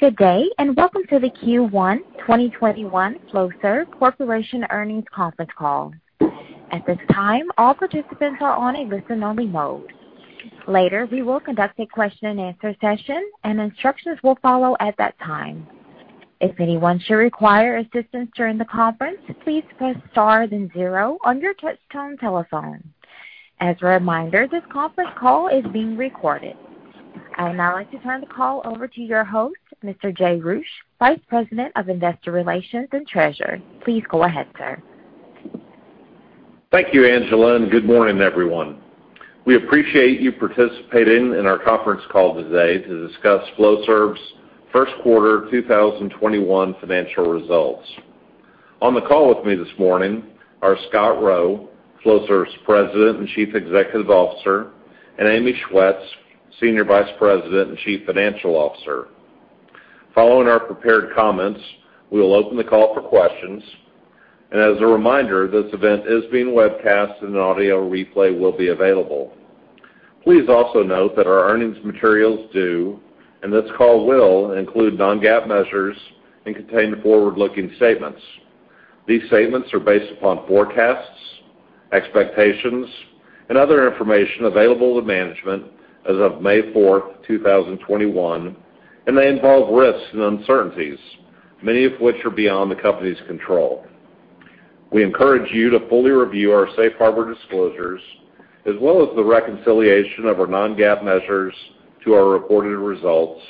Good day, and welcome to the Q1 2021 Flowserve Corporation earnings conference call. At this time, all participants are on a listen-only mode. Later, we will conduct a question and answer session, and instructions will follow at that time. If anyone should require assistance during the conference, please press star then zero on your touchtone telephone. As a reminder, this conference call is being recorded. I'd now like to turn the call over to your host, Mr. Jay Roueche, Vice President of Investor Relations and Treasurer. Please go ahead, sir. Thank you, Angela, and good morning, everyone. We appreciate you participating in our conference call today to discuss Flowserve's first quarter 2021 financial results. On the call with me this morning are Scott Rowe, Flowserve's President and Chief Executive Officer, and Amy Schwetz, Senior Vice President and Chief Financial Officer. Following our prepared comments, we will open the call for questions. As a reminder, this event is being webcast and an audio replay will be available. Please also note that our earnings materials do, and this call will, include non-GAAP measures and contain forward-looking statements. These statements are based upon forecasts, expectations, and other information available to management as of May 4th, 2021, and they involve risks and uncertainties, many of which are beyond the company's control. We encourage you to fully review our Safe Harbor disclosures, as well as the reconciliation of our non-GAAP measures to our reported results,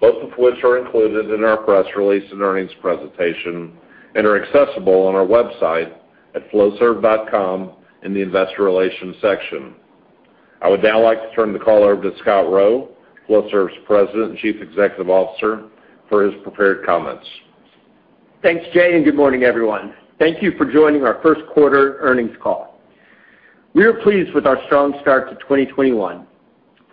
both of which are included in our press release and earnings presentation and are accessible on our website at flowserve.com in the Investor Relations section. I would now like to turn the call over to Scott Rowe, Flowserve's President and Chief Executive Officer, for his prepared comments. Thanks, Jay, and good morning, everyone. Thank you for joining our first quarter earnings call. We are pleased with our strong start to 2021.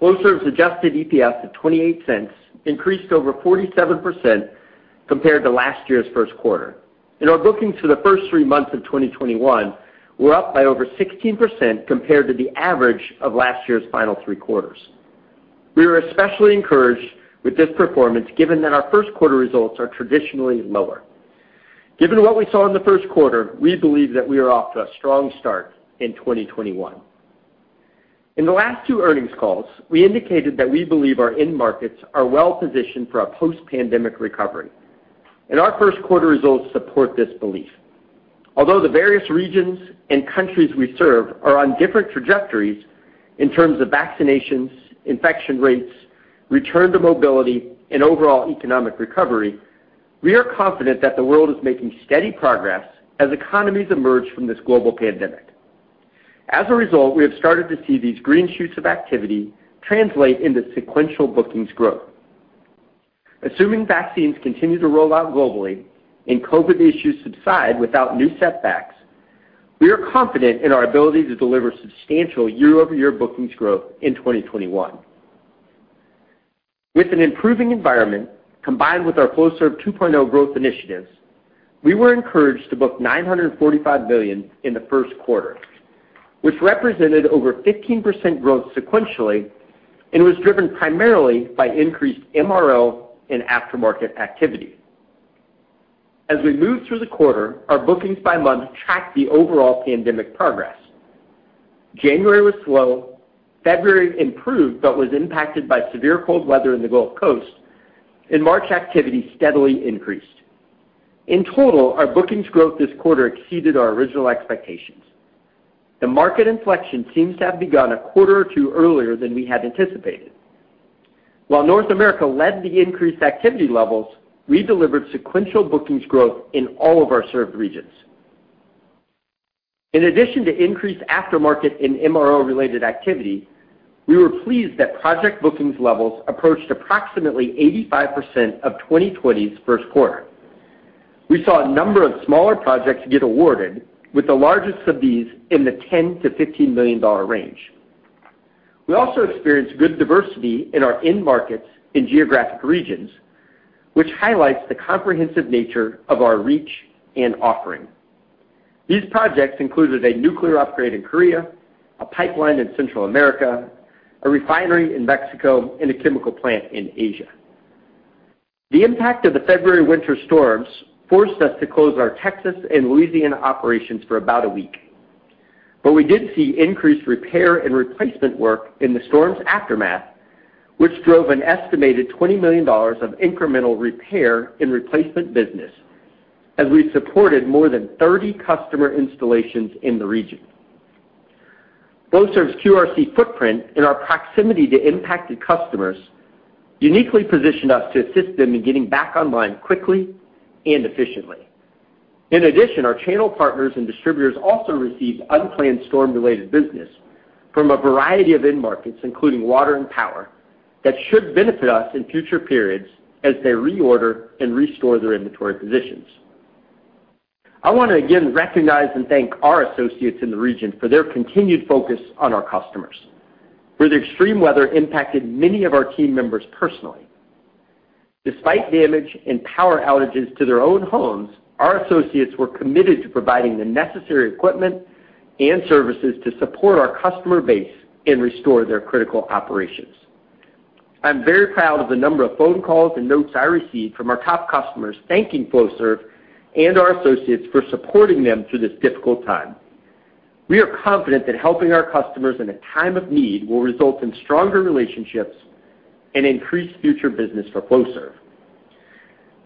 Flowserve's adjusted EPS of $0.28 increased over 47% compared to last year's first quarter. Our bookings for the first three months of 2021 were up by over 16% compared to the average of last year's final three quarters. We were especially encouraged with this performance given that our first quarter results are traditionally lower. Given what we saw in the first quarter, we believe that we are off to a strong start in 2021. In the last two earnings calls, we indicated that we believe our end markets are well-positioned for a post-pandemic recovery, and our first quarter results support this belief. Although the various regions and countries we serve are on different trajectories in terms of vaccinations, infection rates, return to mobility, and overall economic recovery, we are confident that the world is making steady progress as economies emerge from this global pandemic. As a result, we have started to see these green shoots of activity translate into sequential bookings growth. Assuming vaccines continue to roll out globally and COVID issues subside without new setbacks, we are confident in our ability to deliver substantial year-over-year bookings growth in 2021. With an improving environment, combined with our Flowserve 2.0 growth initiatives, we were encouraged to book $945 million in the first quarter, which represented over 15% growth sequentially and was driven primarily by increased MRO and aftermarket activity. As we moved through the quarter, our bookings by month tracked the overall pandemic progress. January was slow. February improved, but was impacted by severe cold weather in the Gulf Coast. In March, activity steadily increased. In total, our bookings growth this quarter exceeded our original expectations. The market inflection seems to have begun a quarter or two earlier than we had anticipated. While North America led the increased activity levels, we delivered sequential bookings growth in all of our served regions. In addition to increased aftermarket and MRO-related activity, we were pleased that project bookings levels approached approximately 85% of 2020's first quarter. We saw a number of smaller projects get awarded, with the largest of these in the $10 million-$15 million range. We also experienced good diversity in our end markets in geographic regions, which highlights the comprehensive nature of our reach and offering. These projects included a nuclear upgrade in Korea, a pipeline in Central America, a refinery in Mexico, and a chemical plant in Asia. The impact of the February winter storms forced us to close our Texas and Louisiana operations for about a week. We did see increased repair and replacement work in the storm's aftermath, which drove an estimated $20 million of incremental repair and replacement business as we supported more than 30 customer installations in the region. Flowserve's QRC footprint and our proximity to impacted customers uniquely positioned us to assist them in getting back online quickly and efficiently. In addition, our channel partners and distributors also received unplanned storm-related business from a variety of end markets, including water and power, that should benefit us in future periods as they reorder and restore their inventory positions. I want to again recognize and thank our associates in the region for their continued focus on our customers, where the extreme weather impacted many of our team members personally. Despite damage and power outages to their own homes, our associates were committed to providing the necessary equipment and services to support our customer base and restore their critical operations. I'm very proud of the number of phone calls and notes I received from our top customers thanking Flowserve and our associates for supporting them through this difficult time. We are confident that helping our customers in a time of need will result in stronger relationships and increased future business for Flowserve.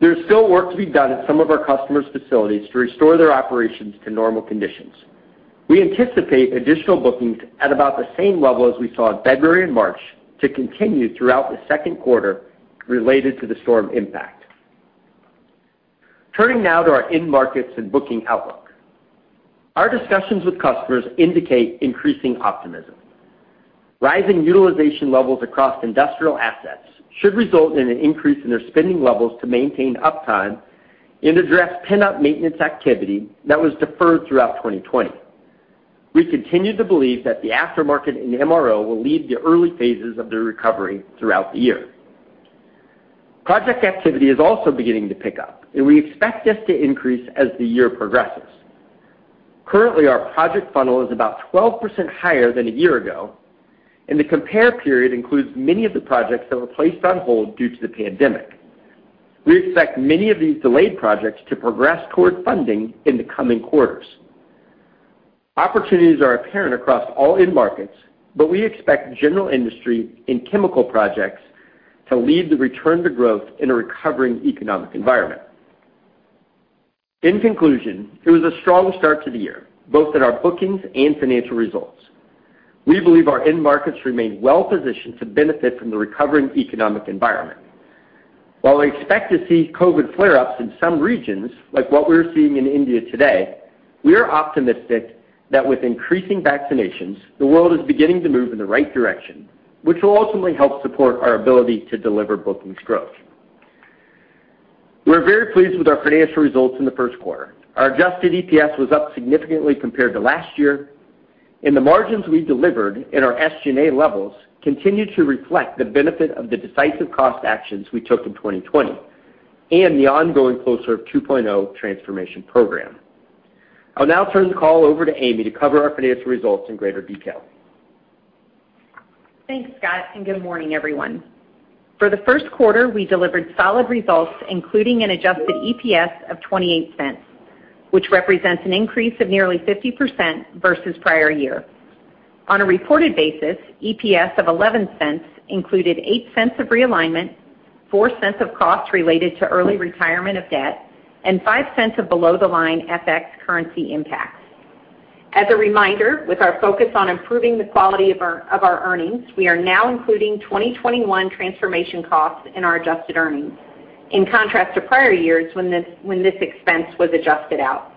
There's still work to be done at some of our customers' facilities to restore their operations to normal conditions. We anticipate additional bookings at about the same level as we saw in February and March to continue throughout the second quarter related to the storm impact. Turning now to our end markets and booking outlook. Our discussions with customers indicate increasing optimism. Rising utilization levels across industrial assets should result in an increase in their spending levels to maintain uptime and address pent-up maintenance activity that was deferred throughout 2020. We continue to believe that the aftermarket in MRO will lead the early phases of the recovery throughout the year. Project activity is also beginning to pick up. We expect this to increase as the year progresses. Currently, our project funnel is about 12% higher than a year ago. The compare period includes many of the projects that were placed on hold due to the pandemic. We expect many of these delayed projects to progress toward funding in the coming quarters. Opportunities are apparent across all end markets, but we expect general industry and chemical projects to lead the return to growth in a recovering economic environment. In conclusion, it was a strong start to the year, both in our bookings and financial results. We believe our end markets remain well-positioned to benefit from the recovering economic environment. While we expect to see COVID flare-ups in some regions, like what we're seeing in India today, we are optimistic that with increasing vaccinations, the world is beginning to move in the right direction, which will ultimately help support our ability to deliver bookings growth. We're very pleased with our financial results in the first quarter. Our adjusted EPS was up significantly compared to last year. The margins we delivered and our SG&A levels continue to reflect the benefit of the decisive cost actions we took in 2020 and the ongoing Flowserve 2.0 transformation program. I'll now turn the call over to Amy to cover our financial results in greater detail. Thanks, Scott, and good morning, everyone. For the first quarter, we delivered solid results, including an adjusted EPS of $0.28, which represents an increase of nearly 50% versus prior year. On a reported basis, EPS of $0.11 included $0.08 of realignment, $0.04 of costs related to early retirement of debt, and $0.05 of below-the-line FX currency impacts. As a reminder, with our focus on improving the quality of our earnings, we are now including 2021 transformation costs in our adjusted earnings. In contrast to prior years when this expense was adjusted out.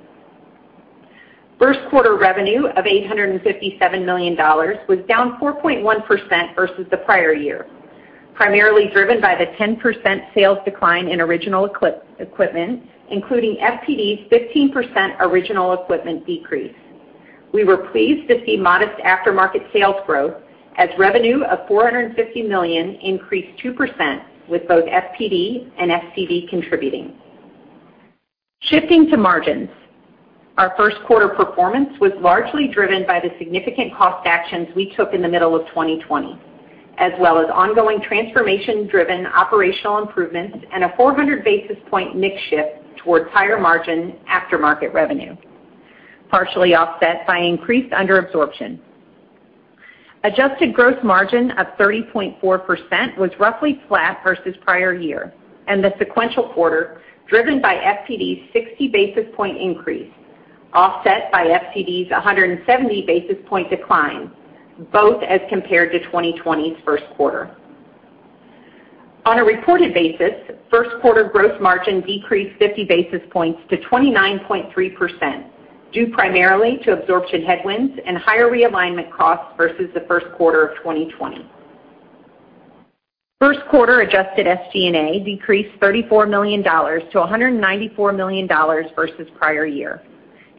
First quarter revenue of $857 million was down 4.1% versus the prior year, primarily driven by the 10% sales decline in original equipment, including FPD's 15% original equipment decrease. We were pleased to see modest aftermarket sales growth, as revenue of $450 million increased 2% with both FPD and FCD contributing. Shifting to margins. Our first quarter performance was largely driven by the significant cost actions we took in the middle of 2020, as well as ongoing transformation-driven operational improvements and a 400 basis point mix shift towards higher margin aftermarket revenue, partially offset by increased under absorption. Adjusted gross margin of 30.4% was roughly flat versus prior year, and the sequential quarter driven by FPD's 60 basis point increase, offset by FCD's 170 basis point decline, both as compared to 2020's first quarter. On a reported basis, first quarter gross margin decreased 50 basis points to 29.3%, due primarily to absorption headwinds and higher realignment costs versus the first quarter of 2020. First quarter adjusted SG&A decreased $34 million to $194 million versus prior year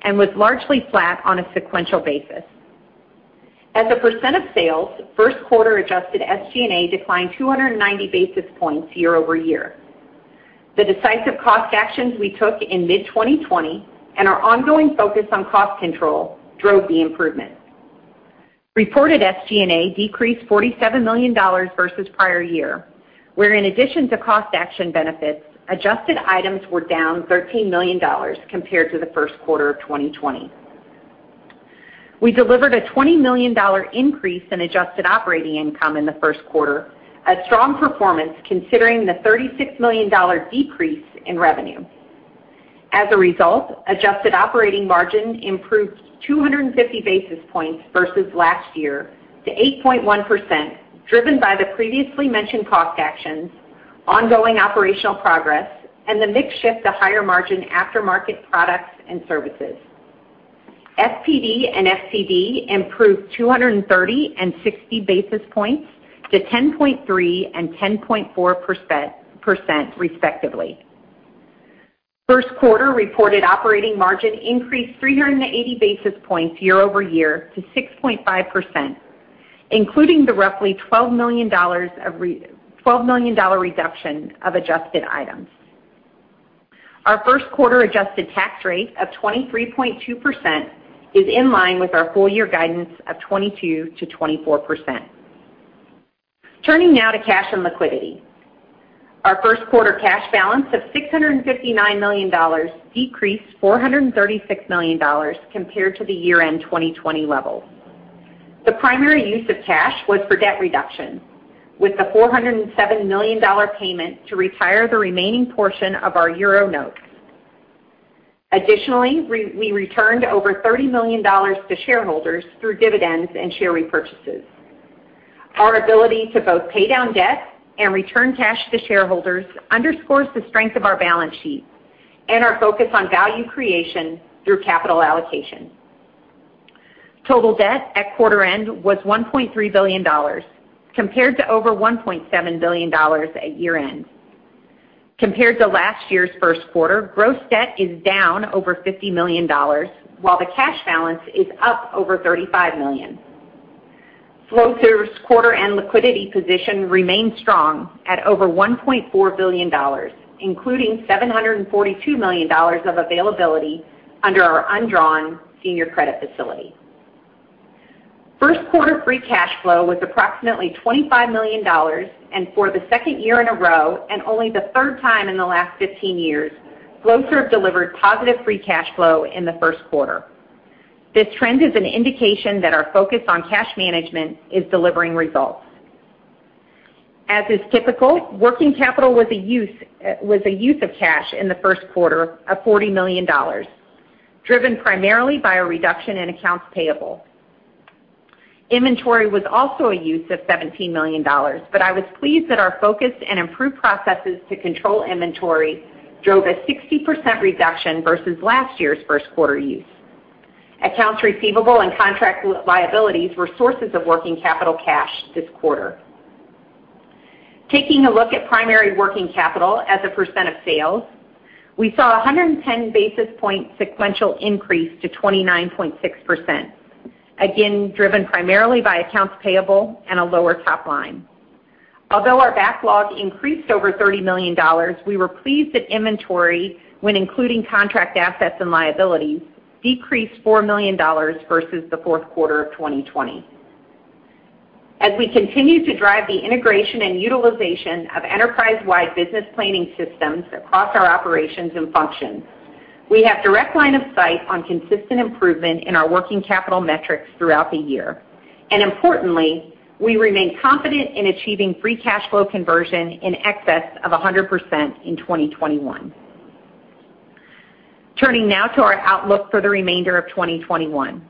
and was largely flat on a sequential basis. As a percent of sales, first quarter adjusted SG&A declined 290 basis points year-over-year. The decisive cost actions we took in mid-2020 and our ongoing focus on cost control drove the improvement. Reported SG&A decreased $47 million versus prior year, where in addition to cost action benefits, adjusted items were down $13 million compared to the first quarter of 2020. We delivered a $20 million increase in adjusted operating income in the first quarter, a strong performance considering the $36 million decrease in revenue. As a result, adjusted operating margin improved 250 basis points versus last year to 8.1%, driven by the previously mentioned cost actions, ongoing operational progress, and the mix shift to higher margin aftermarket products and services. FPD and FCD improved 230 basis points and 60 basis points to 10.3% and 10.4%, respectively. First quarter reported operating margin increased 380 basis points year-over-year to 6.5%, including the roughly $12 million reduction of adjusted items. Our first quarter adjusted tax rate of 23.2% is in line with our full year guidance of 22%-24%. Turning now to cash and liquidity. Our first quarter cash balance of $659 million decreased $436 million compared to the year-end 2020 level. The primary use of cash was for debt reduction, with the $407 million payment to retire the remaining portion of our euro notes. Additionally, we returned over $30 million to shareholders through dividends and share repurchases. Our ability to both pay down debt and return cash to shareholders underscores the strength of our balance sheet and our focus on value creation through capital allocation. Total debt at quarter end was $1.3 billion, compared to over $1.7 billion at year-end. Compared to last year's first quarter, gross debt is down over $50 million, while the cash balance is up over $35 million. Flowserve's quarter end liquidity position remains strong at over $1.4 billion, including $742 million of availability under our undrawn senior credit facility. First quarter free cash flow was approximately $25 million, and for the second year in a row, and only the third time in the last 15 years, Flowserve delivered positive free cash flow in the first quarter. This trend is an indication that our focus on cash management is delivering results. As is typical, working capital was a use of cash in the first quarter of $40 million, driven primarily by a reduction in accounts payable. Inventory was also a use of $17 million. I was pleased that our focus and improved processes to control inventory drove a 60% reduction versus last year's first quarter use. Accounts receivable and contract liabilities were sources of working capital cash this quarter. Taking a look at primary working capital as a % of sales, we saw 110 basis point sequential increase to 29.6%, again, driven primarily by accounts payable and a lower top line. Although our backlog increased over $30 million, we were pleased that inventory, when including contract assets and liabilities, decreased $4 million versus the fourth quarter of 2020. As we continue to drive the integration and utilization of enterprise-wide business planning systems across our operations and functions, we have direct line of sight on consistent improvement in our working capital metrics throughout the year. Importantly, we remain confident in achieving free cash flow conversion in excess of 100% in 2021. Turning now to our outlook for the remainder of 2021.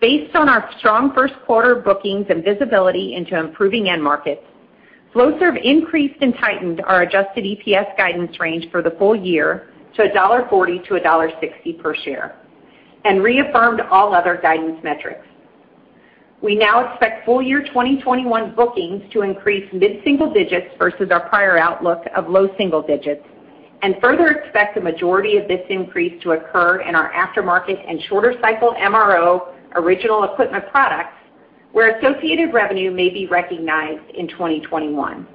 Based on our strong first quarter bookings and visibility into improving end markets, Flowserve increased and tightened our adjusted EPS guidance range for the full year to $1.40-$1.60 per share, and reaffirmed all other guidance metrics. We now expect full year 2021 bookings to increase mid-single digits versus our prior outlook of low single digits, and further expect the majority of this increase to occur in our aftermarket and shorter cycle MRO original equipment products, where associated revenue may be recognized in 2021.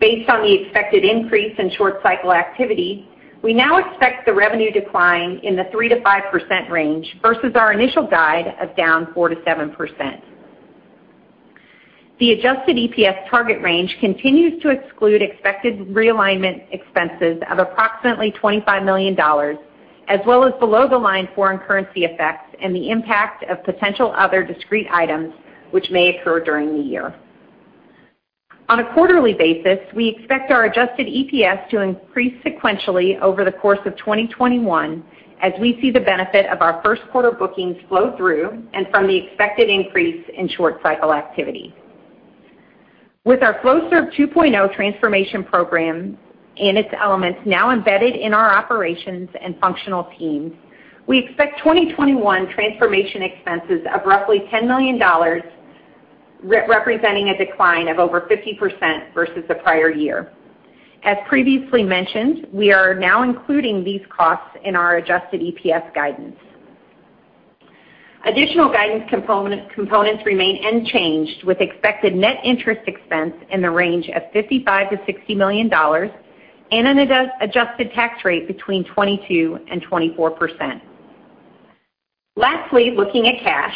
Based on the expected increase in short cycle activity, we now expect the revenue decline in the 3%-5% range versus our initial guide of down 4%-7%. The adjusted EPS target range continues to exclude expected realignment expenses of approximately $25 million, as well as below-the-line foreign currency effects and the impact of potential other discrete items which may occur during the year. On a quarterly basis, we expect our adjusted EPS to increase sequentially over the course of 2021, as we see the benefit of our first quarter bookings flow through and from the expected increase in short cycle activity. With our Flowserve 2.0 transformation program and its elements now embedded in our operations and functional teams, we expect 2021 transformation expenses of roughly $10 million, representing a decline of over 50% versus the prior year. As previously mentioned, we are now including these costs in our adjusted EPS guidance. Additional guidance components remain unchanged, with expected net interest expense in the range of $55 million-$60 million, and an adjusted tax rate between 22% and 24%. Lastly, looking at cash.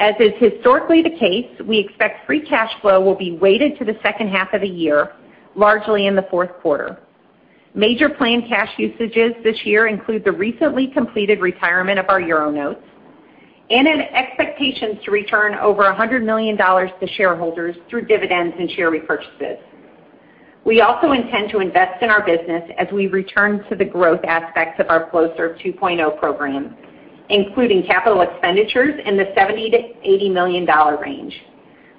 As is historically the case, we expect free cash flow will be weighted to the second half of the year, largely in the fourth quarter. Major planned cash usages this year include the recently completed retirement of our euro notes and an expectation to return over $100 million to shareholders through dividends and share repurchases. We also intend to invest in our business as we return to the growth aspects of our Flowserve 2.0 program, including capital expenditures in the $70 million-$80 million range,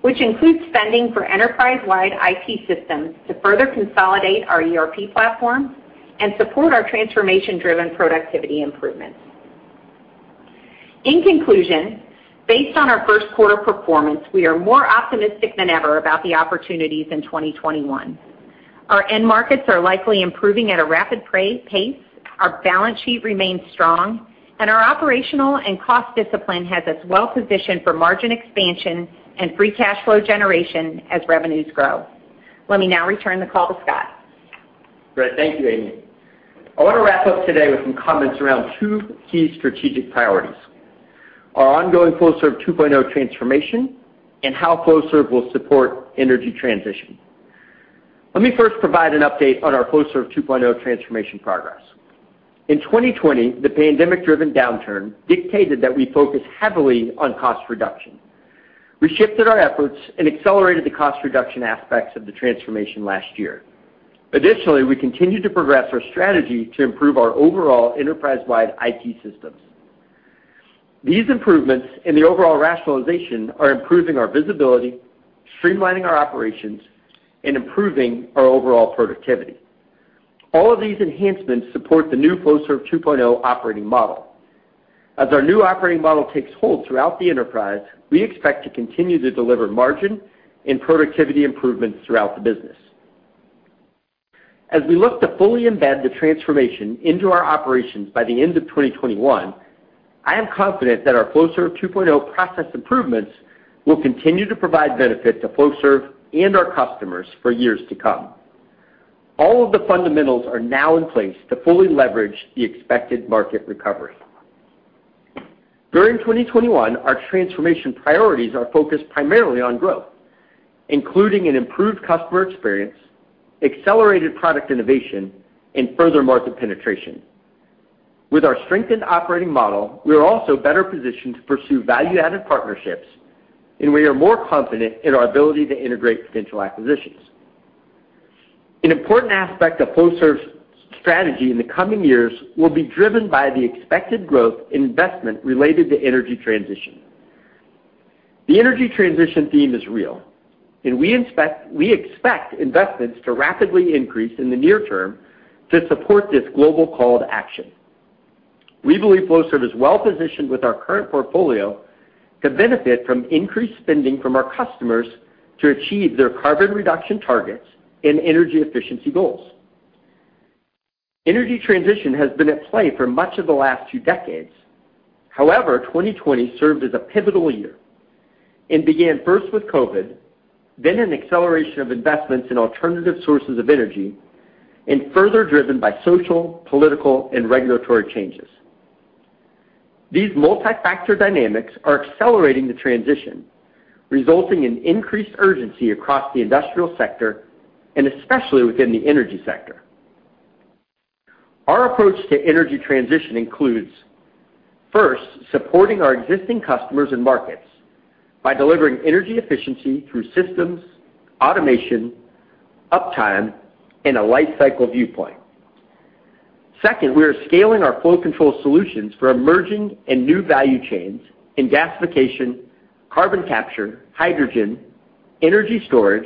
which includes spending for enterprise-wide IT systems to further consolidate our ERP platform and support our transformation-driven productivity improvements. In conclusion, based on our first quarter performance, we are more optimistic than ever about the opportunities in 2021. Our end markets are likely improving at a rapid pace. Our balance sheet remains strong. Our operational and cost discipline has us well positioned for margin expansion and free cash flow generation as revenues grow. Let me now return the call to Scott. Great. Thank you, Amy. I want to wrap up today with some comments around two key strategic priorities, our ongoing Flowserve 2.0 transformation and how Flowserve will support energy transition. Let me first provide an update on our Flowserve 2.0 transformation progress. In 2020, the pandemic-driven downturn dictated that we focus heavily on cost reduction. We shifted our efforts and accelerated the cost reduction aspects of the transformation last year. We continued to progress our strategy to improve our overall enterprise-wide IT systems. These improvements in the overall rationalization are improving our visibility, streamlining our operations, and improving our overall productivity. All of these enhancements support the new Flowserve 2.0 operating model. As our new operating model takes hold throughout the enterprise, we expect to continue to deliver margin and productivity improvements throughout the business. As we look to fully embed the transformation into our operations by the end of 2021, I am confident that our Flowserve 2.0 process improvements will continue to provide benefit to Flowserve and our customers for years to come. All of the fundamentals are now in place to fully leverage the expected market recovery. During 2021, our transformation priorities are focused primarily on growth, including an improved customer experience, accelerated product innovation, and further market penetration. With our strengthened operating model, we are also better positioned to pursue value-added partnerships, and we are more confident in our ability to integrate potential acquisitions. An important aspect of Flowserve's strategy in the coming years will be driven by the expected growth in investment related to energy transition. The energy transition theme is real, and we expect investments to rapidly increase in the near term to support this global call to action. We believe Flowserve is well positioned with our current portfolio to benefit from increased spending from our customers to achieve their carbon reduction targets and energy efficiency goals. Energy transition has been at play for much of the last two decades. However, 2020 served as a pivotal year and began first with COVID, then an acceleration of investments in alternative sources of energy, and further driven by social, political, and regulatory changes. These multi-factor dynamics are accelerating the transition, resulting in increased urgency across the industrial sector and especially within the energy sector. Our approach to energy transition includes, first, supporting our existing customers and markets by delivering energy efficiency through systems, automation, uptime, and a life cycle viewpoint. Second, we are scaling our flow control solutions for emerging and new value chains in gasification, carbon capture, hydrogen, energy storage,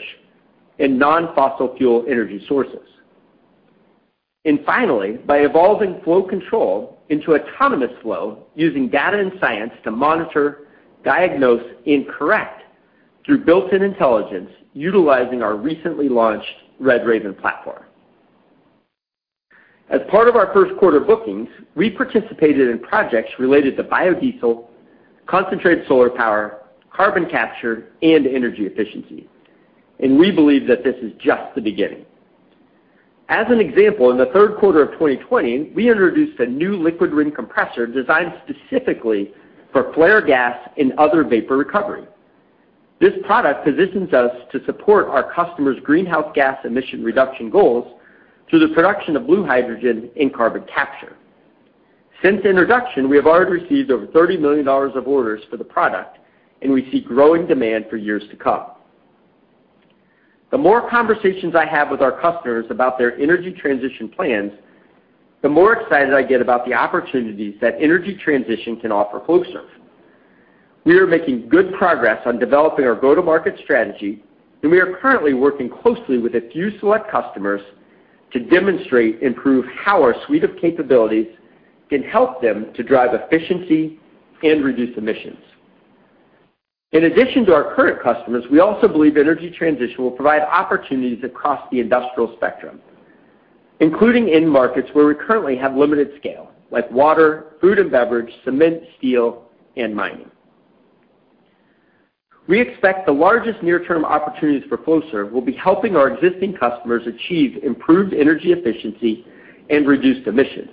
and non-fossil fuel energy sources. Finally, by evolving flow control into autonomous flow using data and science to monitor, diagnose, and correct through built-in intelligence utilizing our recently launched RedRaven platform. As part of our first quarter bookings, we participated in projects related to biodiesel, concentrated solar power, carbon capture, and energy efficiency, and we believe that this is just the beginning. As an example, in the third quarter of 2020, we introduced a new liquid ring compressor designed specifically for flare gas and other vapor recovery. This product positions us to support our customers' greenhouse gas emission reduction goals through the production of blue hydrogen and carbon capture. Since introduction, we have already received over $30 million of orders for the product, and we see growing demand for years to come. The more conversations I have with our customers about their energy transition plans, the more excited I get about the opportunities that energy transition can offer Flowserve. We are making good progress on developing our go-to-market strategy, and we are currently working closely with a few select customers to demonstrate and prove how our suite of capabilities can help them to drive efficiency and reduce emissions. In addition to our current customers, we also believe energy transition will provide opportunities across the industrial spectrum, including in markets where we currently have limited scale, like water, food and beverage, cement, steel, and mining. We expect the largest near-term opportunities for Flowserve will be helping our existing customers achieve improved energy efficiency and reduced emissions.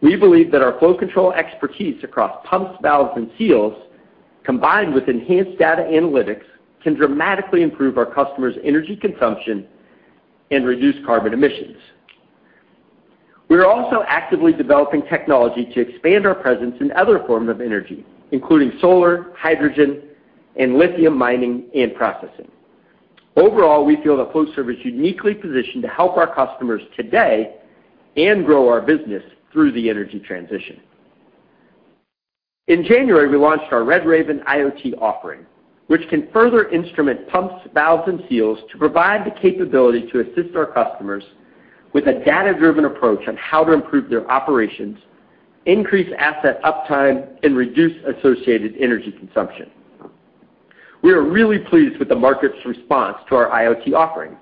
We believe that our flow control expertise across pumps, valves, and seals, combined with enhanced data analytics, can dramatically improve our customers' energy consumption and reduce carbon emissions. We are also actively developing technology to expand our presence in other forms of energy, including solar, hydrogen, and lithium mining and processing. Overall, we feel that Flowserve is uniquely positioned to help our customers today and grow our business through the energy transition. In January, we launched our RedRaven IoT offering, which can further instrument pumps, valves, and seals to provide the capability to assist our customers with a data-driven approach on how to improve their operations, increase asset uptime, and reduce associated energy consumption. We are really pleased with the market's response to our IoT offering.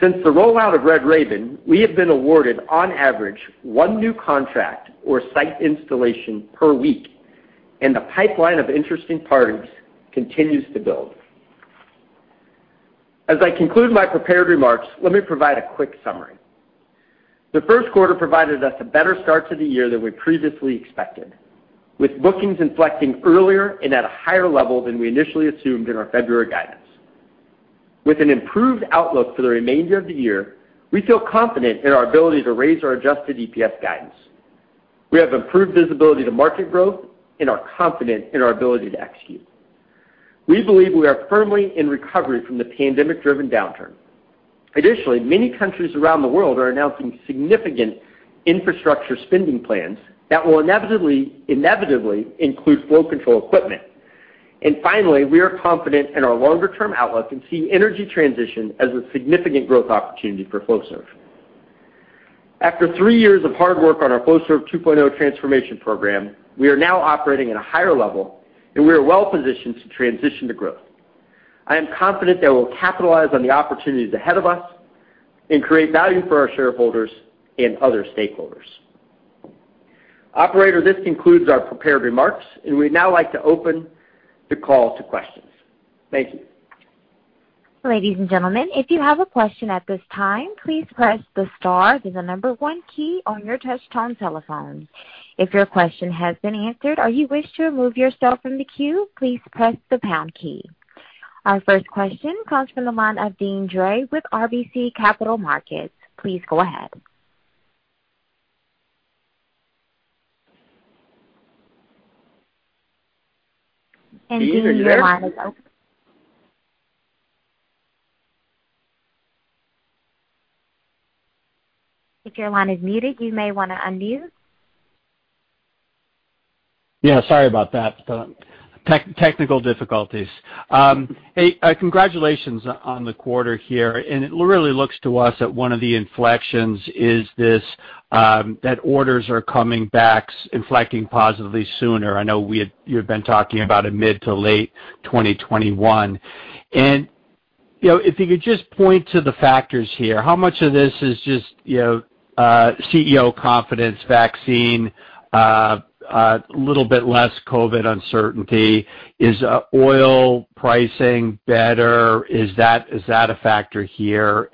Since the rollout of RedRaven, we have been awarded on average, one new contract or site installation per week, and the pipeline of interesting parties continues to build. As I conclude my prepared remarks, let me provide a quick summary. The first quarter provided us a better start to the year than we previously expected, with bookings inflecting earlier and at a higher level than we initially assumed in our February guidance. With an improved outlook for the remainder of the year, we feel confident in our ability to raise our adjusted EPS guidance. We have improved visibility to market growth and are confident in our ability to execute. We believe we are firmly in recovery from the pandemic-driven downturn. Additionally, many countries around the world are announcing significant infrastructure spending plans that will inevitably include flow control equipment. Finally, we are confident in our longer-term outlook and see energy transition as a significant growth opportunity for Flowserve. After three years of hard work on our Flowserve 2.0 transformation program, we are now operating at a higher level, and we are well-positioned to transition to growth. I am confident that we'll capitalize on the opportunities ahead of us and create value for our shareholders and other stakeholders. Operator, this concludes our prepared remarks, and we'd now like to open the call to questions. Thank you. Ladies and gentlemen if you have a question at this time please press the star and the number one key on your touch-tone telephone. If your question has been answered or you wish to remove yourself from the queue please press the pound key. Our first question comes from the line of Deane Dray with RBC Capital Markets. Please go ahead. Deane, your line is open. If your line is muted, you may want to unmute. Yeah, sorry about that. Technical difficulties. Hey, congratulations on the quarter here, and it really looks to us that one of the inflections is this, that orders are coming back, inflecting positively sooner. I know you had been talking about a mid to late 2021. If you could just point to the factors here, how much of this is just CEO confidence, vaccine, a little bit less COVID uncertainty? Is oil pricing better? Is that a factor here?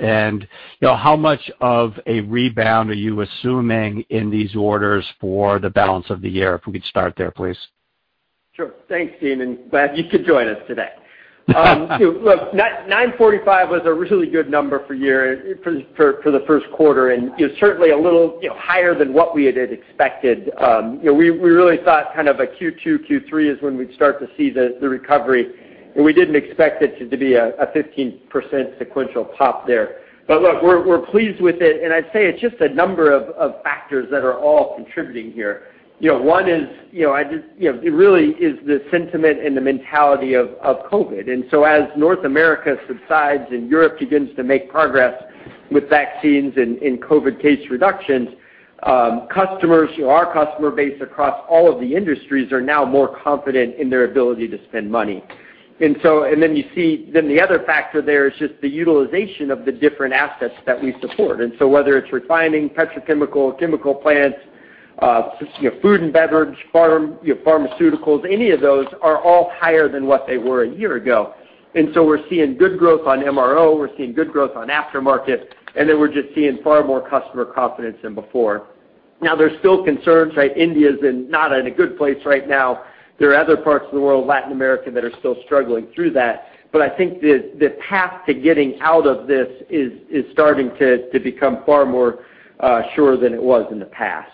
How much of a rebound are you assuming in these orders for the balance of the year? If we could start there, please. Sure. Thanks, Deane, and glad you could join us today. Look, $945 million was a really good number for the first quarter and, certainly a little higher than what we had expected. We really thought kind of a Q2, Q3 is when we'd start to see the recovery, and we didn't expect it to be a 15% sequential pop there. Look, we're pleased with it, and I'd say it's just a number of factors that are all contributing here. One is, it really is the sentiment and the mentality of COVID. As North America subsides and Europe begins to make progress with vaccines and COVID case reductions, our customer base across all of the industries are now more confident in their ability to spend money. You see, then the other factor there is just the utilization of the different assets that we support. Whether it's refining, petrochemical, chemical plants, food and beverage, pharmaceuticals, any of those are all higher than what they were a year ago. We're seeing good growth on MRO, we're seeing good growth on aftermarket, and then we're just seeing far more customer confidence than before. Now, there's still concerns, right? India's not in a good place right now. There are other parts of the world, Latin America, that are still struggling through that. I think the path to getting out of this is starting to become far more sure than it was in the past.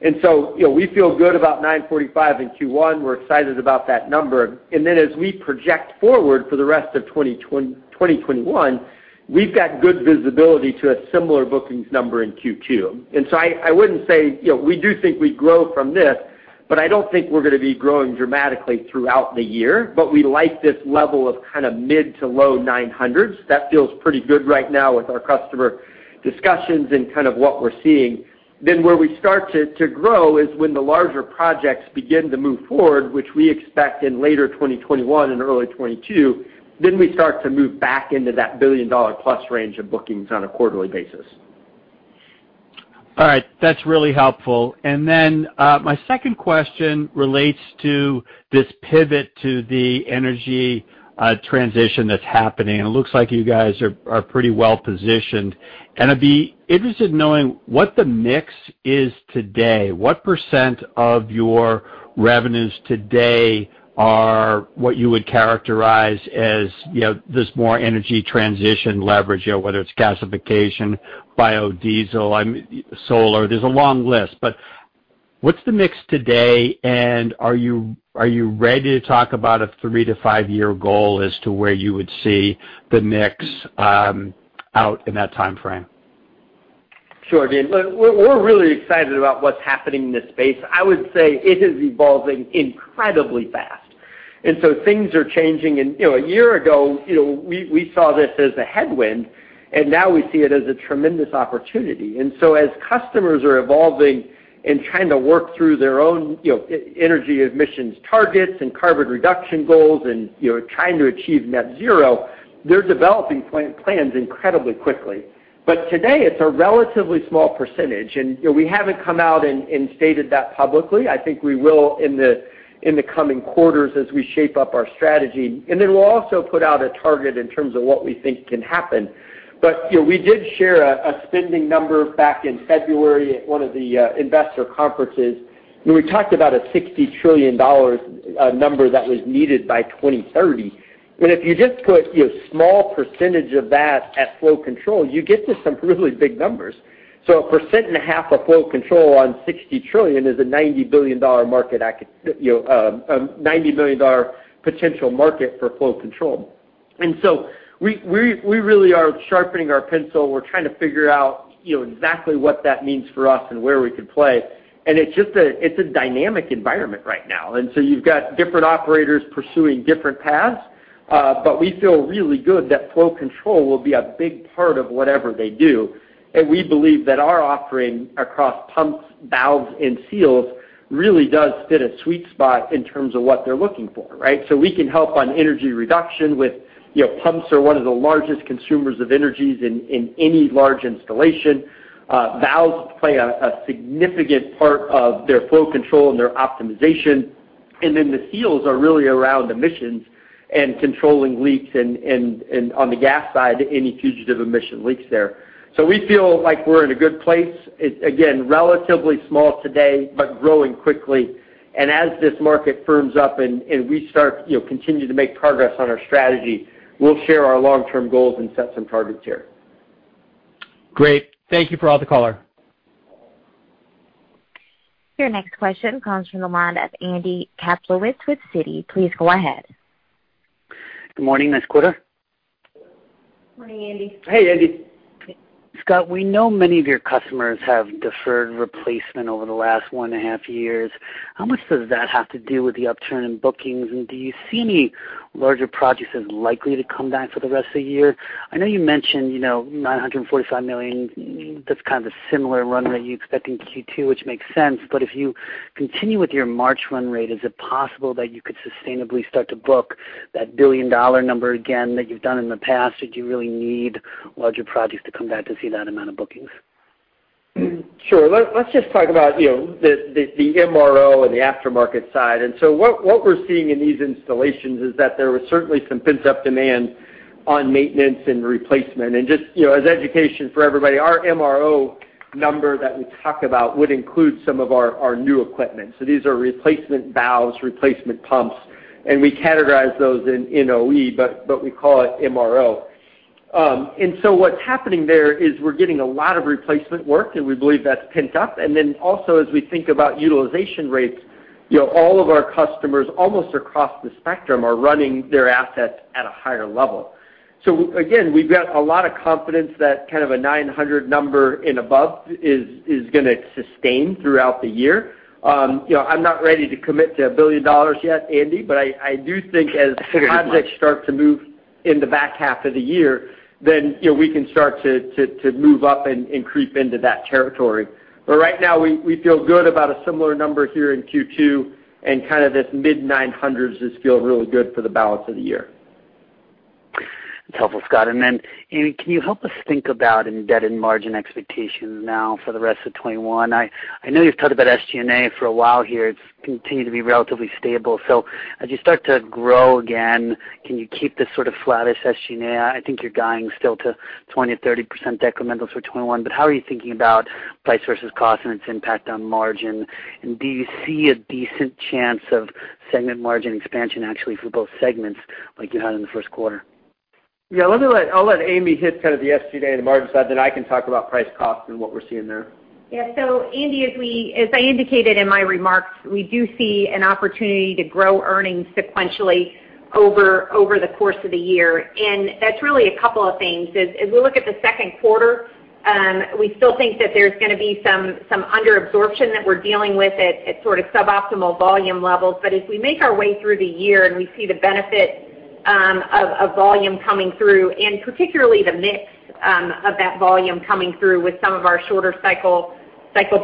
We feel good about $945 million in Q1. We're excited about that number. As we project forward for the rest of 2021, we've got good visibility to a similar bookings number in Q2. I wouldn't say we do think we grow from this, but I don't think we're going to be growing dramatically throughout the year. We like this level of kind of mid-to-low 900s. That feels pretty good right now with our customer discussions and kind of what we're seeing. Where we start to grow is when the larger projects begin to move forward, which we expect in later 2021 and early 2022. We start to move back into that billion-dollar-plus range of bookings on a quarterly basis. All right. That's really helpful. My second question relates to this pivot to the energy transition that's happening, and it looks like you guys are pretty well-positioned. I'd be interested in knowing what the mix is today. What percent of your revenues today are what you would characterize as this more energy transition leverage? Whether it's gasification, biodiesel, solar. There's a long list, but what's the mix today, and are you ready to talk about a three- to five-year goal as to where you would see the mix out in that timeframe? Sure, Deane. Look, we're really excited about what's happening in this space. I would say it is evolving incredibly fast, so things are changing. A year ago, we saw this as a headwind, and now we see it as a tremendous opportunity. As customers are evolving and trying to work through their own energy emissions targets and carbon reduction goals and trying to achieve Net zero. They're developing plans incredibly quickly. Today, it's a relatively small percentage, and we haven't come out and stated that publicly. I think we will in the coming quarters as we shape up our strategy. Then we'll also put out a target in terms of what we think can happen. We did share a spending number back in February at one of the investor conferences, and we talked about a $60 trillion number that was needed by 2030. If you just put a small percentage of that at flow control, you get to some really big numbers. A 1.5% of flow control on $60 trillion is a $90 billion potential market for flow control. We really are sharpening our pencil. We're trying to figure out exactly what that means for us and where we could play. It's a dynamic environment right now. You've got different operators pursuing different paths, but we feel really good that flow control will be a big part of whatever they do. We believe that our offering across pumps, valves, and seals really does fit a sweet spot in terms of what they're looking for, right? We can help on energy reduction. Pumps are one of the largest consumers of energies in any large installation. Valves play a significant part of their flow control and their optimization. The seals are really around emissions and controlling leaks and on the gas side, any fugitive emission leaks there. We feel like we're in a good place. It's, again, relatively small today, but growing quickly. As this market firms up and we continue to make progress on our strategy, we'll share our long-term goals and set some targets here. Great. Thank you for all the color. Your next question comes from the mind of Andy Kaplowitz with Citi. Please go ahead. Good morning. Nice quarter. Morning, Andy. Hey, Andy. Scott, we know many of your customers have deferred replacement over the last one and a half years. How much does that have to do with the upturn in bookings, and do you see any larger projects as likely to come back for the rest of the year? I know you mentioned $945 million. That's kind of a similar run-rate you expect in Q2, which makes sense, but if you continue with your March run-rate, is it possible that you could sustainably start to book that billion-dollar number again that you've done in the past, or do you really need larger projects to come back to see that amount of bookings? Sure. Let's just talk about the MRO and the aftermarket side. What we're seeing in these installations is that there was certainly some pent-up demand on maintenance and replacement. Just as education for everybody, our MRO number that we talk about would include some of our new equipment. These are replacement valves, replacement pumps, and we categorize those in OE, but we call it MRO. What's happening there is we're getting a lot of replacement work, and we believe that's pent up. As we think about utilization rates, all of our customers, almost across the spectrum, are running their assets at a higher level. We've got a lot of confidence that kind of a $900 million number and above is going to sustain throughout the year. I'm not ready to commit to a billion dollar yet, Andy. I do think as projects start to move in the back half of the year, we can start to move up and creep into that territory. Right now, we feel good about a similar number here in Q2 and kind of this mid-$900 millions just feel really good for the balance of the year. That's helpful, Scott. Amy, can you help us think about in debt and margin expectations now for the rest of 2021? I know you've talked about SG&A for a while here. It's continued to be relatively stable. As you start to grow again, can you keep this sort of flattish SG&A? I think you're guiding still to 20%-30% decremental for 2021. How are you thinking about price versus cost and its impact on margin? Do you see a decent chance of segment margin expansion actually for both segments like you had in the first quarter? Yeah. I'll let Amy hit kind of the SG&A and the margin side. I can talk about price cost and what we're seeing there. Andy, as I indicated in my remarks, we do see an opportunity to grow earnings sequentially over the course of the year. That's really a couple of things, is as we look at the second quarter, we still think that there's going to be some under-absorption that we're dealing with at sort of suboptimal volume levels. As we make our way through the year and we see the benefit of volume coming through, and particularly the mix of that volume coming through with some of our shorter cycle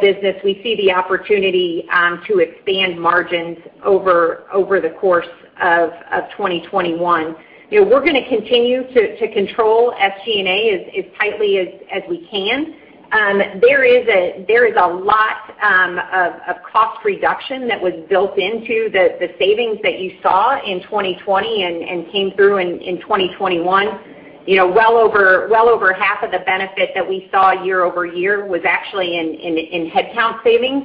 business, we see the opportunity to expand margins over the course of 2021. We're going to continue to control SG&A as tightly as we can. There is a lot of cost reduction that was built into the savings that you saw in 2020 and came through in 2021. Well over half of the benefit that we saw year-over-year was actually in headcount savings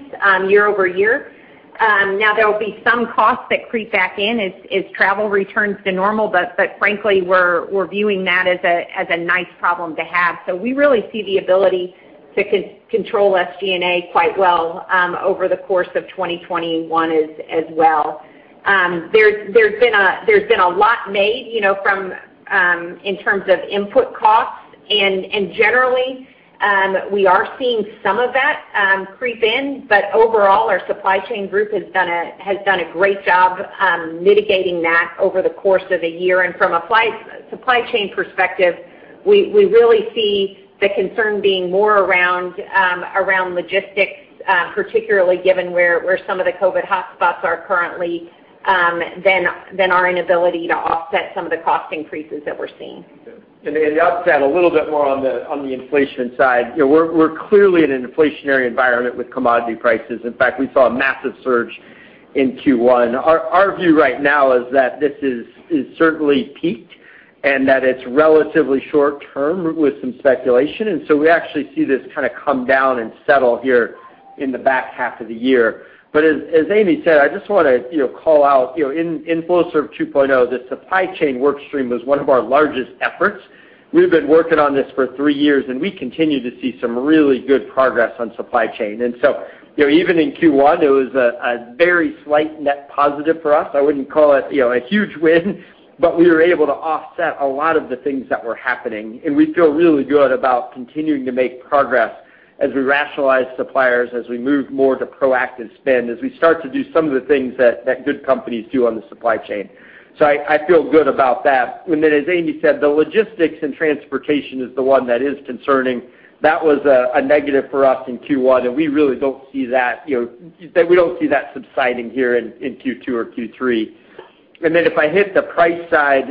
year-over-year. There will be some costs that creep back in as travel returns to normal, but frankly, we're viewing that as a nice problem to have. We really see the ability to control SG&A quite well over the course of 2021 as well. There's been a lot made in terms of input costs, and generally, we are seeing some of that creep in, but overall, our supply chain group has done a great job mitigating that over the course of the year. From a supply chain perspective, we really see the concern being more around logistics, particularly given where some of the COVID hotspots are currently, than our inability to offset some of the cost increases that we're seeing. Amy, I'll just add a little bit more on the inflation side. We're clearly in an inflationary environment with commodity prices. In fact, we saw a massive surge in Q1. Our view right now is that this is certainly peaked, and that it's relatively short-term with some speculation. We actually see this come down and settle here in the back half of the year. As Amy said, I just want to call out, in Flowserve 2.0, the supply chain work stream was one of our largest efforts. We've been working on this for three years, and we continue to see some really good progress on supply chain. Even in Q1, it was a very slight net positive for us. I wouldn't call it a huge win, but we were able to offset a lot of the things that were happening, and we feel really good about continuing to make progress as we rationalize suppliers, as we move more to proactive spend, as we start to do some of the things that good companies do on the supply chain. I feel good about that. As Amy said, the logistics and transportation is the one that is concerning. That was a negative for us in Q1, and we don't see that subsiding here in Q2 or Q3. If I hit the price side,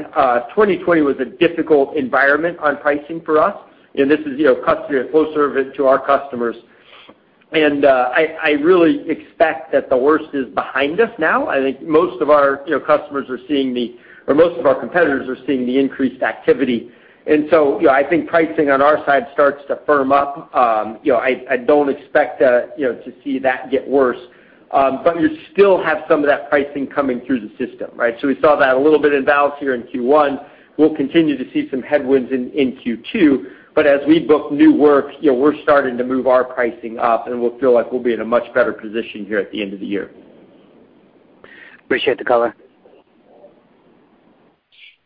2020 was a difficult environment on pricing for us, and this is Flowserve and to our customers. I really expect that the worst is behind us now. I think most of our competitors are seeing the increased activity. I think pricing on our side starts to firm up. I don't expect to see that get worse. You still have some of that pricing coming through the system. We saw that a little bit in valves here in Q1. We'll continue to see some headwinds in Q2, but as we book new work, we're starting to move our pricing up, and we feel like we'll be in a much better position here at the end of the year. Appreciate the color.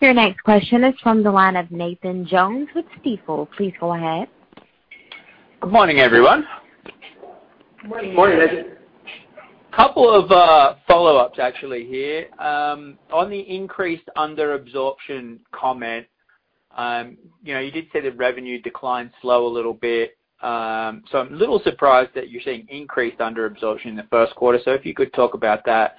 Your next question is from the line of Nathan Jones with Stifel. Please go ahead. Good morning, everyone. Morning Nathan. Couple of follow-ups actually here. On the increased under-absorption comment, you did say the revenue declined slow a little bit, so I'm a little surprised that you're seeing increased under-absorption in the first quarter. If you could talk about that.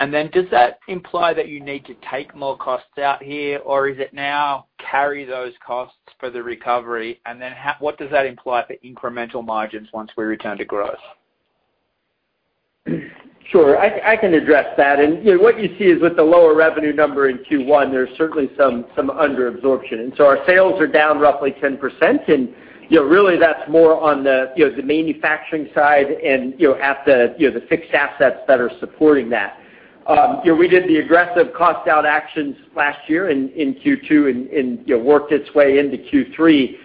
Does that imply that you need to take more costs out here, or is it now carry those costs for the recovery? What does that imply for incremental margins once we return to growth? Sure. I can address that. What you see is with the lower revenue number in Q1, there's certainly some under-absorption. Our sales are down roughly 10%, and really that's more on the manufacturing side and at the fixed assets that are supporting that. We did the aggressive cost-out actions last year in Q2, and it worked its way into Q3.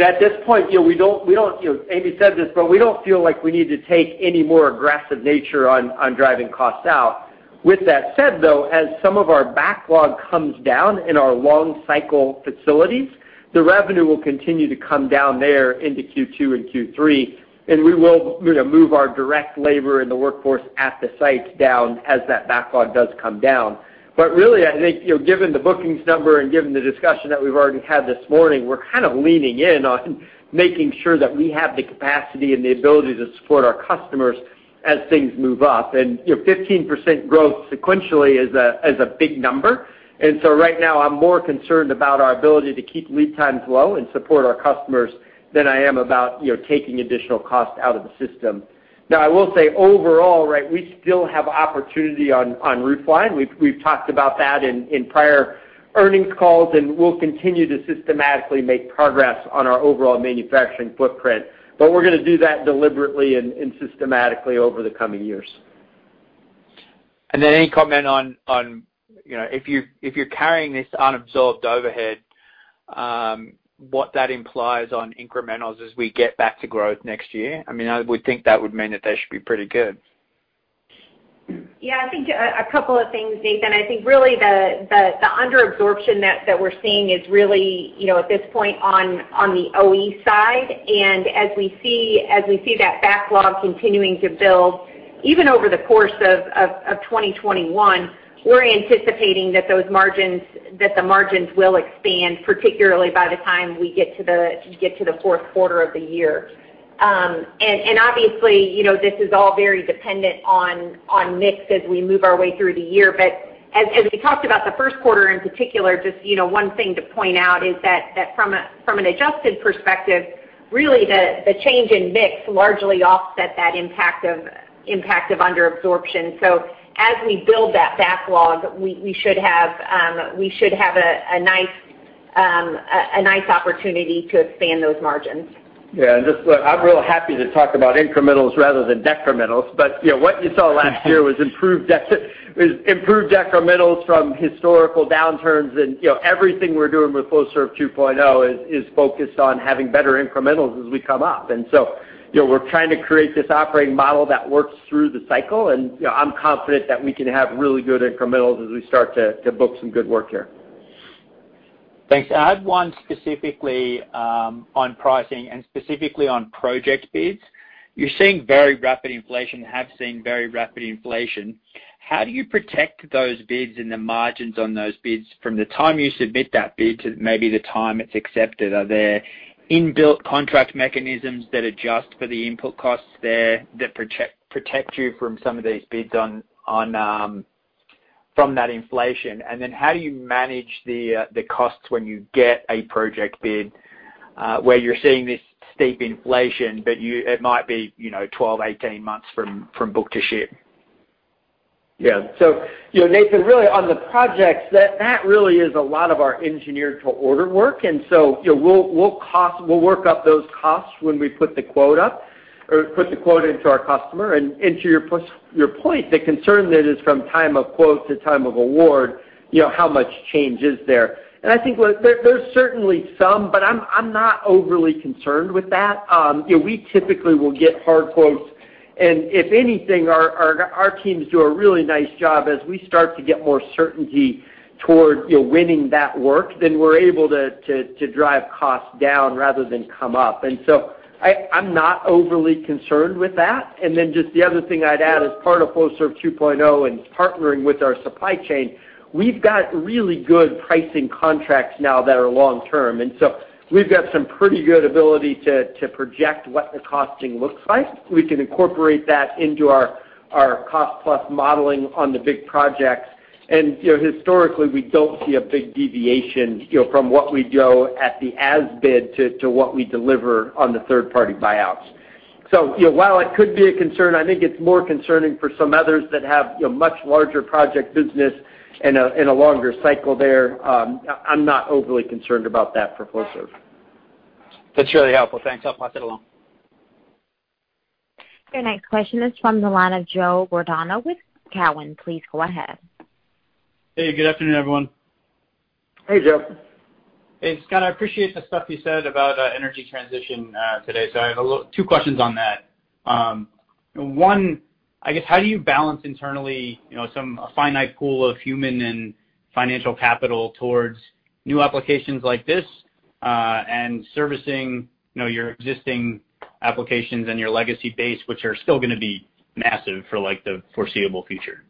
At this point, Amy said this, but we don't feel like we need to take any more aggressive nature on driving costs out. With that said, though, as some of our backlog comes down in our long-cycle facilities, the revenue will continue to come down there into Q2 and Q3, and we will move our direct labor and the workforce at the sites down as that backlog does come down. Really, I think, given the bookings number and given the discussion that we've already had this morning, we're kind of leaning in on making sure that we have the capacity and the ability to support our customers as things move up. 15% growth sequentially is a big number. Right now, I'm more concerned about our ability to keep lead times low and support our customers than I am about taking additional cost out of the system. I will say overall, we still have opportunity on roof line. We've talked about that in prior earnings calls, and we'll continue to systematically make progress on our overall manufacturing footprint. We're going to do that deliberately and systematically over the coming years. Any comment on if you're carrying this unabsorbed overhead, what that implies on incrementals as we get back to growth next year? I would think that would mean that they should be pretty good. Yeah, I think a couple of things, Nathan. I think really the under-absorption that we're seeing is really, at this point, on the OE side. As we see that backlog continuing to build, even over the course of 2021, we're anticipating that the margins will expand, particularly by the time we get to the fourth quarter of the year. Obviously, this is all very dependent on mix as we move our way through the year. As we talked about the first quarter in particular, just one thing to point out is that from an adjusted perspective, really the change in mix largely offset that impact of under-absorption. As we build that backlog, we should have a nice opportunity to expand those margins. I'm real happy to talk about incrementals rather than decrementals. What you saw last year was improved decrementals from historical downturns, and everything we're doing with Flowserve 2.0 is focused on having better incrementals as we come up. We're trying to create this operating model that works through the cycle, and I'm confident that we can have really good incrementals as we start to book some good work here. Thanks. I had one specifically on pricing and specifically on project bids. You're seeing very rapid inflation, have seen very rapid inflation. How do you protect those bids and the margins on those bids from the time you submit that bid to maybe the time it's accepted? Are there inbuilt contract mechanisms that adjust for the input costs there that protect you from some of these bids from that inflation? How do you manage the costs when you get a project bid where you're seeing this steep inflation, but it might be 12-18 months from book-to-ship? Yeah. Nathan, really on the projects, that really is a lot of our engineer-to-order work. We'll work up those costs when we put the quote up or put the quote into our customer. To your point, the concern there is from time of quote to time of award, how much change is there? I think there's certainly some, but I'm not overly concerned with that. We typically will get hard quotes, and if anything, our teams do a really nice job as we start to get more certainty toward winning that work, then we're able to drive costs down rather than come up. I'm not overly concerned with that. Just the other thing I'd add is part of Flowserve 2.0 and partnering with our supply chain, we've got really good pricing contracts now that are long-term, and so we've got some pretty good ability to project what the costing looks like. We can incorporate that into our cost plus modeling on the big projects. Historically, we don't see a big deviation from what we go at the as-bid to what we deliver on the third-party buyouts. While it could be a concern, I think it's more concerning for some others that have much larger project business and a longer cycle there. I'm not overly concerned about that for Flowserve. That's really helpful. Thanks. I'll pass it along. Your next question is from the line of Joe Giordano with Cowen. Please go ahead. Hey, good afternoon, everyone. Hey, Joe. Hey, Scott. I appreciate the stuff you said about energy transition today. I have two questions on that. One, I guess, how do you balance internally a finite pool of human and financial capital towards new applications like this, and servicing your existing applications and your legacy base, which are still going to be massive for the foreseeable future?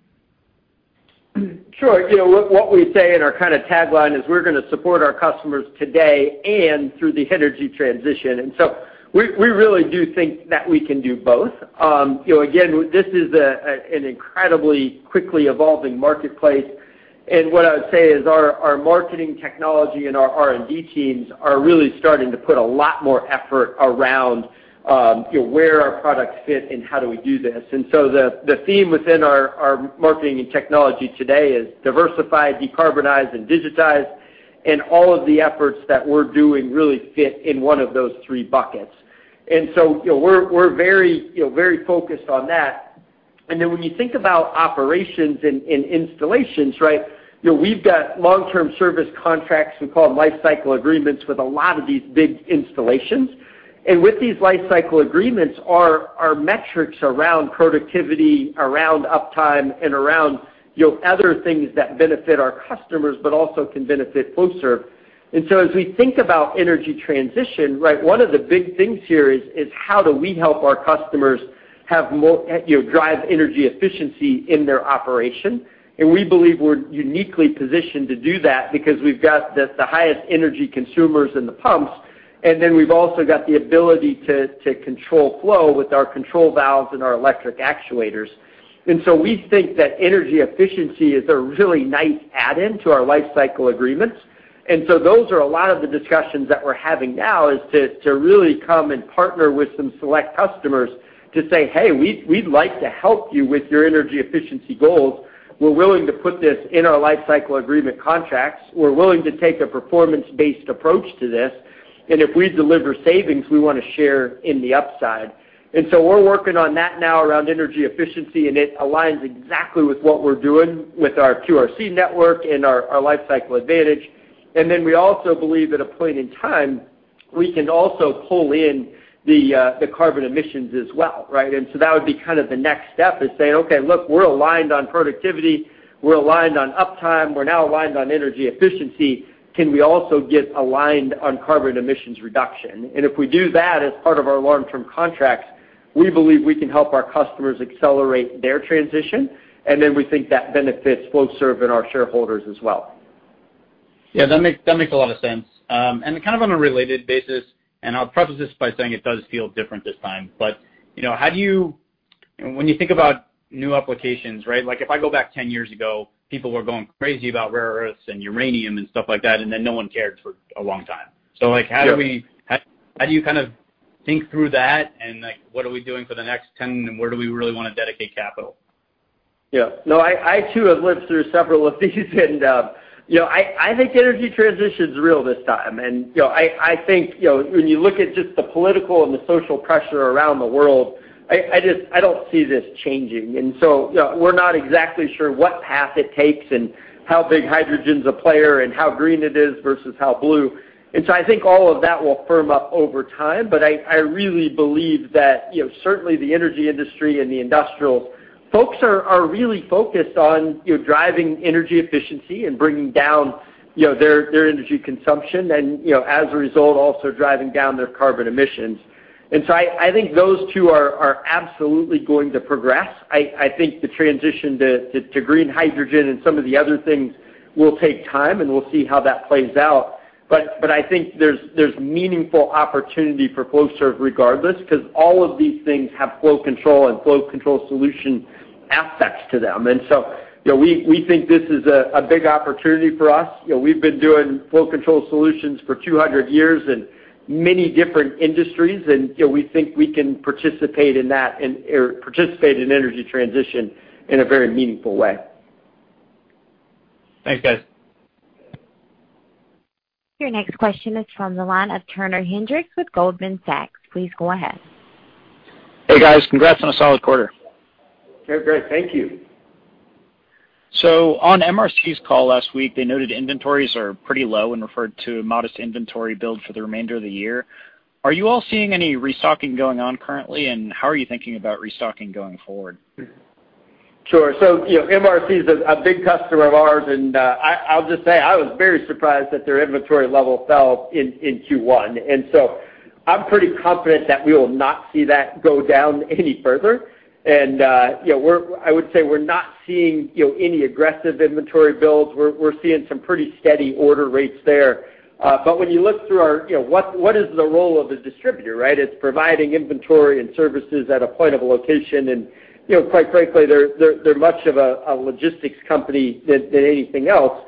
Sure. What we say in our kind of tagline is we're going to support our customers today and through the energy transition. We really do think that we can do both. Again, this is an incredibly quickly evolving marketplace. What I would say is our marketing technology and our R&D teams are really starting to put a lot more effort around where our products fit and how do we do this. The theme within our marketing and technology today is diversify, decarbonize, and digitize, and all of the efforts that we're doing really fit in one of those three buckets. We're very focused on that. When you think about operations and installations, we've got long-term service contracts, we call them lifecycle agreements, with a lot of these big installations. With these lifecycle agreements are our metrics around productivity, around uptime, and around other things that benefit our customers, but also can benefit Flowserve. As we think about energy transition, one of the big things here is how do we help our customers drive energy efficiency in their operation? We believe we're uniquely positioned to do that because we've got the highest energy consumers in the pumps, and then we've also got the ability to control flow with our control valves and our electric actuators. We think that energy efficiency is a really nice add-in to our lifecycle agreements. Those are a lot of the discussions that we're having now is to really come and partner with some select customers to say, hey, we'd like to help you with your energy efficiency goals. We're willing to put this in our lifecycle agreement contracts. We're willing to take a performance-based approach to this. If we deliver savings, we want to share in the upside. We're working on that now around energy efficiency, and it aligns exactly with what we're doing with our QRC network and our LifeCycle Advantage. We also believe at a point in time, we can also pull in the carbon emissions as well, right? That would be kind of the next step is saying, okay, look, we're aligned on productivity, we're aligned on uptime, we're now aligned on energy efficiency. Can we also get aligned on carbon emissions reduction? If we do that as part of our long-term contracts, we believe we can help our customers accelerate their transition, and then we think that benefits Flowserve and our shareholders as well. Yeah, that makes a lot of sense. Kind of on a related basis, and I'll preface this by saying it does feel different this time, but when you think about new applications, I go back 10 years ago, people were going crazy about rare earths and uranium and stuff like that, and then no one cared for a long time, how do you kind of think through that, and what are we doing for the next 10, and where do we really want to dedicate capital? Yeah. No, I too, have lived through several of these. I think energy transition's real this time. I think when you look at just the political and the social pressure around the world, I don't see this changing. We're not exactly sure what path it takes and how big hydrogen's a player and how green it is versus how blue. I think all of that will firm up over time. I really believe that certainly the energy industry and the industrials folks are really focused on driving energy efficiency and bringing down their energy consumption and, as a result, also driving down their carbon emissions. I think those two are absolutely going to progress. I think the transition to green hydrogen and some of the other things will take time, and we'll see how that plays out. I think there's meaningful opportunity for Flowserve regardless, because all of these things have flow control and flow control solution aspects to them. We think this is a big opportunity for us. We've been doing flow control solutions for 200 years in many different industries, and we think we can participate in energy transition in a very meaningful way. Thanks, guys. Your next question is from the line of Turner Hinrichs with Goldman Sachs. Please go ahead. Hey, guys. Congrats on a solid quarter. Very great. Thank you. On MRC's call last week, they noted inventories are pretty low and referred to modest inventory build for the remainder of the year. Are you all seeing any restocking going on currently? How are you thinking about restocking going forward? Sure. MRC is a big customer of ours, and I'll just say, I was very surprised that their inventory level fell in Q1. I'm pretty confident that we will not see that go down any further. I would say we're not seeing any aggressive inventory builds. We're seeing some pretty steady order rates there. When you look through our-- what is the role of a distributor, right? It's providing inventory and services at a point of a location. Quite frankly, they're much of a logistics company than anything else.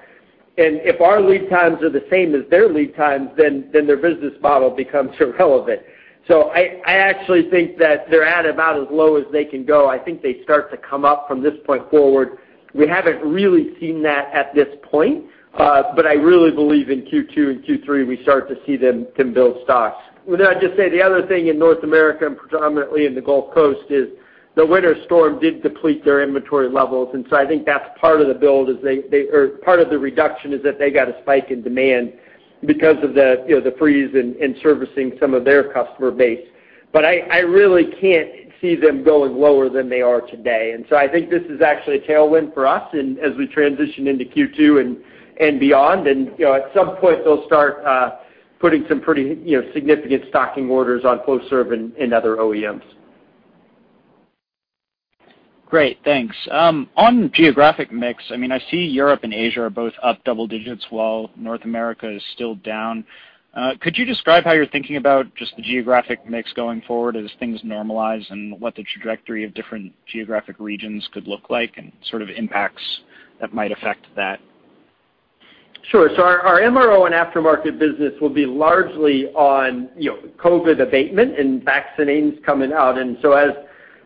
If our lead times are the same as their lead times, then their business model becomes irrelevant. I actually think that they're at about as low as they can go. I think they start to come up from this point forward. We haven't really seen that at this point. I really believe in Q2 and Q3, we start to see them build stocks. With that, I'd just say the other thing in North America and predominantly in the Gulf Coast is the winter storm did deplete their inventory levels. I think that's part of the build or part of the reduction is that they got a spike in demand because of the freeze and servicing some of their customer base. I really can't see them going lower than they are today. I think this is actually a tailwind for us and as we transition into Q2 and beyond. At some point they'll start putting some pretty significant stocking orders on Flowserve and other OEMs. Great, thanks. On geographic mix, I see Europe and Asia are both up double digits while North America is still down. Could you describe how you're thinking about just the geographic mix going forward as things normalize and what the trajectory of different geographic regions could look like and sort of impacts that might affect that? Sure. Our MRO and aftermarket business will be largely on COVID abatement and vaccines coming out.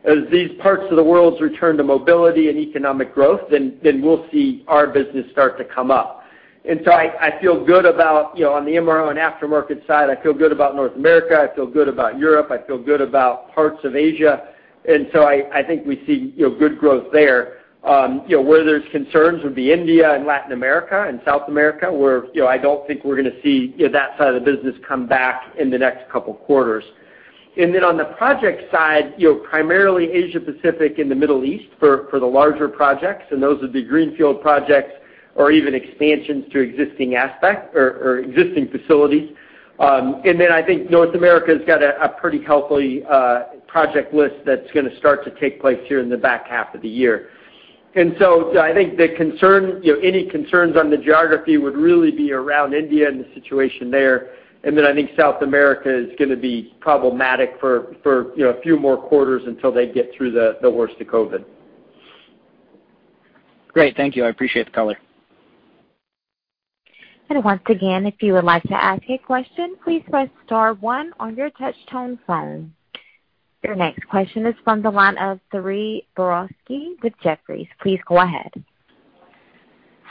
As these parts of the world return to mobility and economic growth, we'll see our business start to come up. I feel good about on the MRO and aftermarket side, I feel good about North America, I feel good about Europe, I feel good about parts of Asia. I think we see good growth there. Where there's concerns would be India and Latin America and South America, where I don't think we're going to see that side of the business come back in the next couple of quarters. On the project side, primarily Asia-Pacific and the Middle East for the larger projects. Those would be greenfield projects or even expansions to existing facilities. Then I think North America's got a pretty healthy project list that's going to start to take place here in the back half of the year. So I think any concerns on the geography would really be around India and the situation there. Then I think South America is going to be problematic for a few more quarters until they get through the worst of COVID. Great. Thank you. I appreciate the color. Once again, if you would like to ask a question, please press star one on your touch-tone phone. Your next question is from the line of Saree Boroditsky with Jefferies. Please go ahead.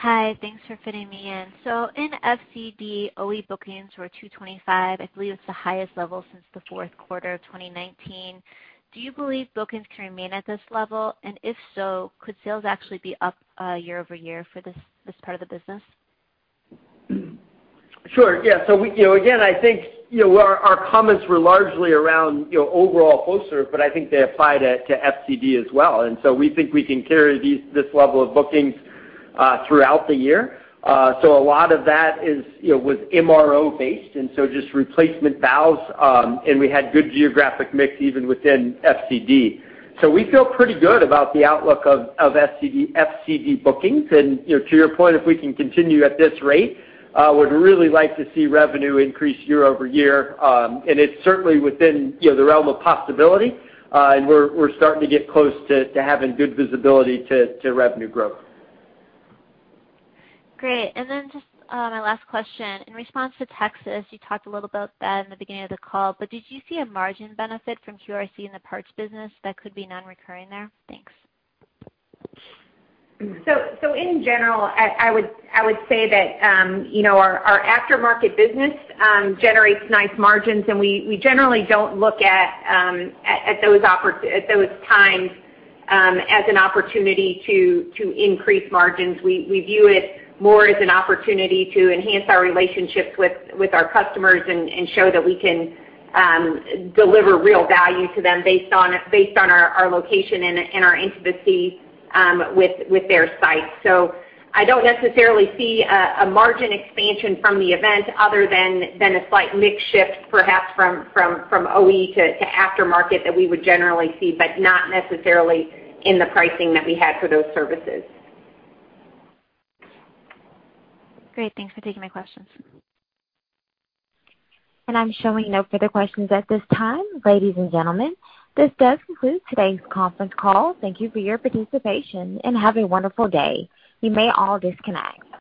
Hi. Thanks for fitting me in. In FCD, OE bookings were 225. I believe it's the highest level since the fourth quarter of 2019. Do you believe bookings can remain at this level? If so, could sales actually be up year-over-year for this part of the business? Sure. Yeah. Again, I think our comments were largely around overall Flowserve, but I think they applied it to FCD as well. We think we can carry this level of bookings throughout the year. A lot of that was MRO based, just replacement valves, and we had good geographic mix even within FCD. We feel pretty good about the outlook of FCD bookings. To your point, if we can continue at this rate, would really like to see revenue increase year-over-year. It's certainly within the realm of possibility. We're starting to get close to having good visibility to revenue growth. Great. Just my last question. In response to Texas, you talked a little about that in the beginning of the call. Did you see a margin benefit from QRC in the parts business that could be non-recurring there? Thanks. In general, I would say that our aftermarket business generates nice margins, and we generally don't look at those times as an opportunity to increase margins. We view it more as an opportunity to enhance our relationships with our customers and show that we can deliver real value to them based on our location and our intimacy with their sites. I don't necessarily see a margin expansion from the event other than a slight mix shift, perhaps from OE to aftermarket that we would generally see, but not necessarily in the pricing that we had for those services. Great. Thanks for taking my questions. I'm showing no further questions at this time. Ladies and gentlemen, this does conclude today's conference call. Thank you for your participation, and have a wonderful day. You may all disconnect.